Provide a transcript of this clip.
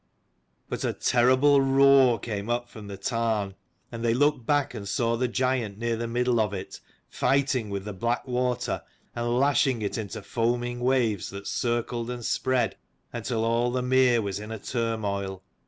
But a terrible roar came up from the tarn ; and they looked back, and saw the giant near the middle of it, fighting with the black water, and lashing it into foaming waves that circled and spread until all the mere was in a turmoil.